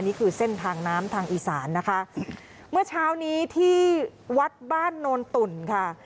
นี่คือเส้นทางน้ำทางอีสานนะคะเมื่อเช้านี้ที่วัดบ้านโนนตุ่นค่ะ